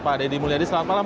pak deddy mulyadi selamat malam